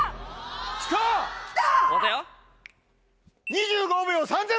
２５秒３０！